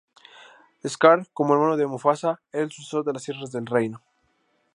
Scar, como hermano de Mufasa era el sucesor de las Tierras del Reino.